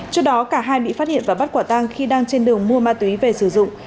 trước đó cả hai bị phát hiện và bắt quả tang khi đang trên đường mua ma túy về sử dụng